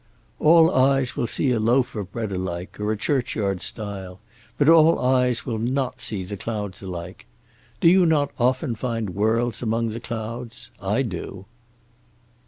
"All eyes will see a loaf of bread alike, or a churchyard stile, but all eyes will not see the clouds alike. Do you not often find worlds among the clouds? I do."